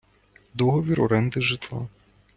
Договір оренди житла.